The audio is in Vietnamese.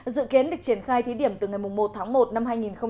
dự kiến được triển khai thí điểm từ ngày một tháng một năm hai nghìn một mươi tám